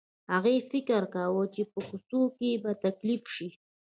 هغې فکر کاوه چې په کوڅو کې به تکليف شي.